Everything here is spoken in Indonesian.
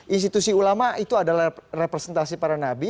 institusi ulama itu adalah representasi para nabi